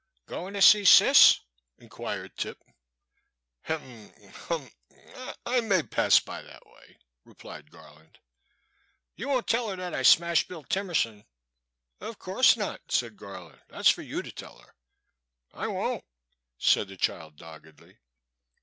'' Goin* to see Cis ?" inquired Tip. Hem! Hum! I — er — ^may pass by that way," replied Garland. You won't tell her that I smashed Bill Timer son?'' Of course not," said Garland, ''that 's for you to tell her." I won't," said the child doggedly.